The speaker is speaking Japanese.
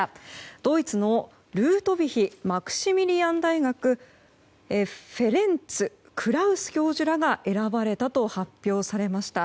ドイツのルートヴィヒマクシミリアン大学フェレンツ・クラウス教授らが選ばれたと発表されました。